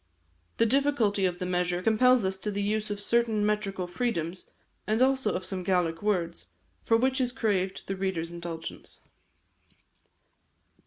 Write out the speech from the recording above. The difficulty of the measure compels us to the use of certain metrical freedoms, and also of some Gaelic words, for which is craved the reader's indulgence.